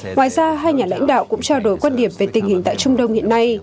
ngoài ra hai nhà lãnh đạo cũng trao đổi quan điểm về tình hình tại trung đông hiện nay